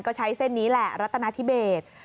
ก็ใช้เส้นนี้แหละรัตนาธิเบส